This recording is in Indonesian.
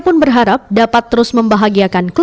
bueno di sini jangan mel kadar seperti gua sendiri